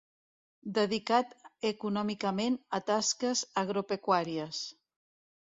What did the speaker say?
Dedicat econòmicament a tasques agropecuàries.